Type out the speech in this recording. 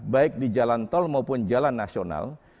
baik di jalan tol maupun jalan nasional